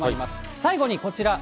最後にこちら。